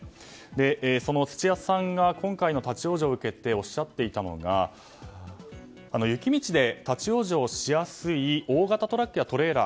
その土屋さんが今回の立ち往生を受けておっしゃっていたのが雪道で立ち往生しやすい大型トラックやトレーラー